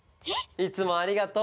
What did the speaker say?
いつもありがとう。